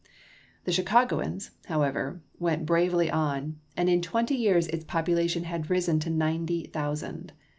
The Chicagoans, however, went bravely on, and in twenty years its population had risen to ninety thousand.